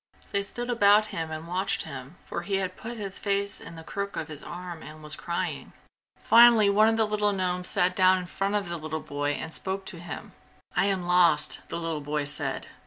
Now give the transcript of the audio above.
They stood about him and watched him, for he had put his face in the crook of his arm and was crying. Finally one of the little gnomes sat down in front of the little boy and spoke to him. "I am lost!" the little boy said.